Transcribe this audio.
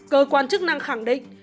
cơ quan chức năng khẳng định